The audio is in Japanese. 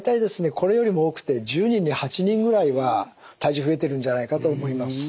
これよりも多くて１０人に８人ぐらいは体重増えてるんじゃないかと思います。